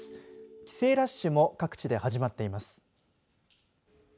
帰省ラッシュも各地で始まっています。